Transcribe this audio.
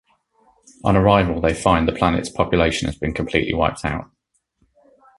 On arrival, they find the planet's population has been completely wiped out.